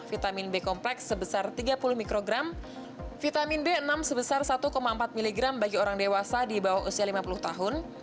vitamin b kompleks sebesar tiga puluh mikrogram vitamin b enam sebesar satu empat miligram bagi orang dewasa di bawah usia lima puluh tahun